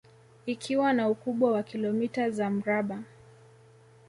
Ikiwa na ukubwa wa kilomita za mraba